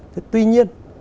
thế tuy nhiên